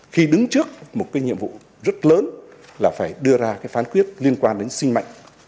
khi đứng trước một cái nhiệm vụ rất lớn là phải đưa ra cái phán quyết liên quan đến sinh mệnh